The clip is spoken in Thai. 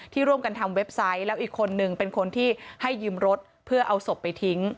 ร่วมกันทำเว็บไซต์แล้วอีกคนนึงเป็นคนที่ให้ยืมรถเพื่อเอาศพไปทิ้ง